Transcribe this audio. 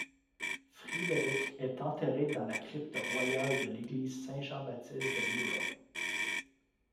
Friederike est enterrée dans la crypte royale de l'église Saint-Jean-Baptiste de Mirow.